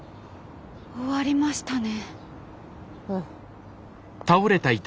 終わりましたね。